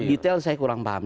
detail saya kurang paham